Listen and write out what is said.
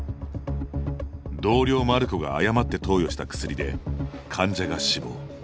同僚マルコが誤って投与した薬で患者が死亡。